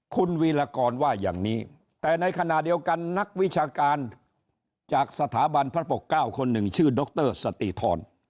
คุณวีรกรว่าอย่างนี้แต่ในขณะเดียวกันนักวิชาการจากสถาบันพระปกเก้าคนหนึ่งชื่อดรสติธร